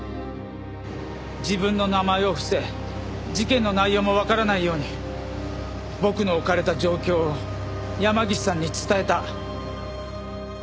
自分の名前を伏せ事件の内容もわからないように僕の置かれた状況を山岸さんに伝えた。